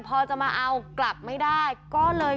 พอจะมาเอากลับไม่ได้ก็เลย